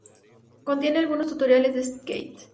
Contiene algunos tutoriales de Skate.